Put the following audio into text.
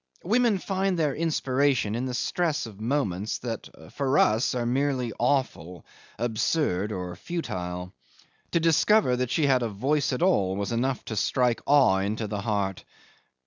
Women find their inspiration in the stress of moments that for us are merely awful, absurd, or futile. To discover that she had a voice at all was enough to strike awe into the heart.